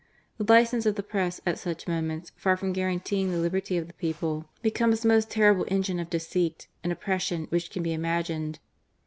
The licence of the Press at such moments, far from guaranteeing the liberty of the people, becomes the most terrible engine of deceit and oppression which can be imagined.